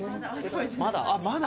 まだ。